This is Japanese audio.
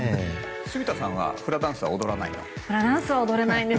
住田さん、フラダンスは踊らないの？